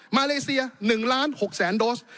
มาเลเซีย๑ล้าน๖แสนโดส